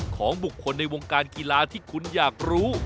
ของบุคคลในวงการกีฬาที่คุณอยากรู้